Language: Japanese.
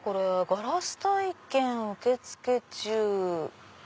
「ガラス体験受付中」。